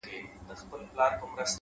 دا ځلي غواړم لېونی سم د هغې مینه کي’